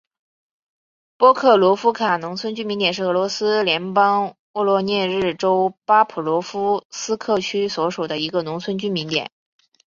波克罗夫卡农村居民点是俄罗斯联邦沃罗涅日州巴甫洛夫斯克区所属的一个农村居民点。